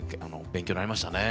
勉強になりましたね。